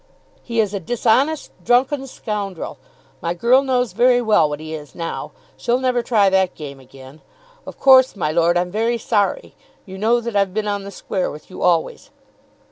"He is a dishonest, drunken scoundrel. My girl knows very well what he is now. She'll never try that game again. Of course, my Lord, I'm very sorry. You know that I've been on the square with you always.